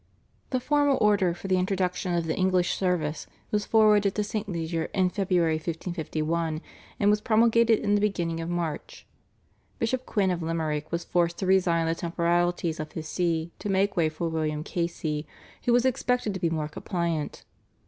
The formal order for the introduction of the English service was forwarded to St. Leger in February 1551, and was promulgated in the beginning of March. Bishop Quinn of Limerick was forced to resign the temporalities of his See to make way for William Casey, who was expected to be more compliant.